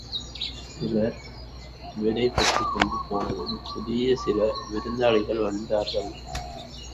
சிலர் விடை பெற்றுக் கொண்டு போனதும் புதிய சில விருந்தாளிகள் வந்தார்கள்.